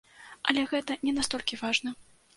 Але гэта не настолькі важна.